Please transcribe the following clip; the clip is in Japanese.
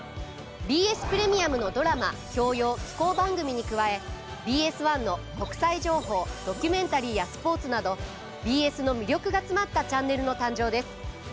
ＢＳプレミアムのドラマ教養紀行番組に加えＢＳ１の国際情報ドキュメンタリーやスポーツなどＢＳの魅力が詰まったチャンネルの誕生です。